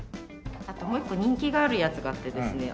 あともう一個人気があるやつがあってですね